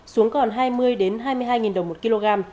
xuống còn hai mươi hai mươi hai đồng một kg